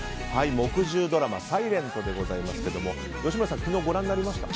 木１０ドラマ「ｓｉｌｅｎｔ」でございますけれども吉村さん、昨日はご覧になりましたか？